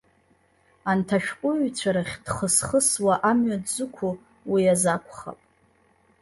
Анҭ ашәҟәыҩҩцәа рахь дхысхысуа амҩа дзықәу уи азакәхап.